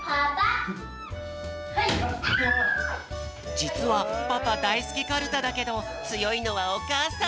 じつはパパだいすきカルタだけどつよいのはおかあさん。